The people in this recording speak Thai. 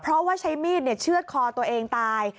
เพราะว่าใช้มีดเชื่อดคอตัวเองตาย